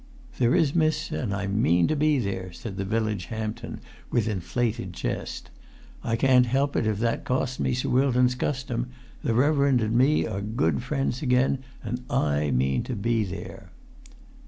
"There is, miss, and I mean to be there," said the village Hampden, with inflated chest. "I can't help it if that cost me Sir Wilton's custom, the reverend and me are good friends again, and I mean to be there."